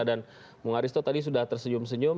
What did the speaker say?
dan mung aristo tadi sudah tersenyum senyum